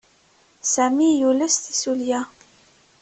Sami yules tissulya.